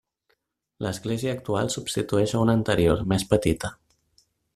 L'església actual substitueix a una anterior, més petita.